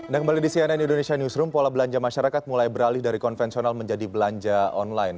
dan kembali di cnn indonesia newsroom pola belanja masyarakat mulai beralih dari konvensional menjadi belanja online